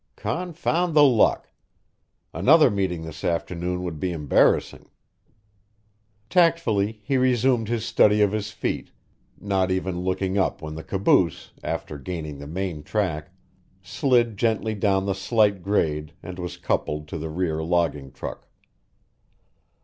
"Confound the luck! Another meeting this afternoon would be embarrassing." Tactfully he resumed his study of his feet, not even looking up when the caboose, after gaining the main track, slid gently down the slight grade and was coupled to the rear logging truck.